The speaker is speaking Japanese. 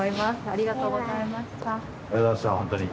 ありがとうございました本当に。